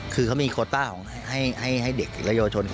คือเขามีโคต้าของให้เด็กและเยาวชน